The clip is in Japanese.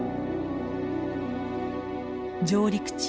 上陸地